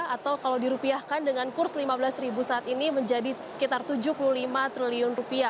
atau kalau dirupiahkan dengan kurs rp lima belas saat ini menjadi sekitar rp tujuh puluh lima triliun